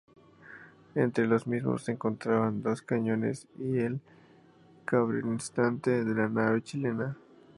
Entre los mismos se encontraban dos cañones y el cabrestante de la nave chilena.